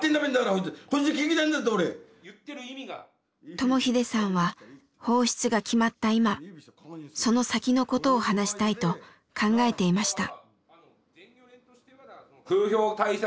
智英さんは放出が決まった今その先のことを話したいと考えていました。